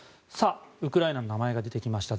ウクライナの名前が出てきました。